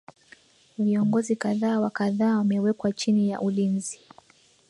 viongozi kadha wa kadha wamewekwa chini ya ulinzi